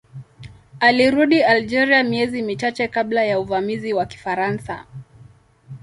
Alirudi Algeria miezi michache kabla ya uvamizi wa Kifaransa.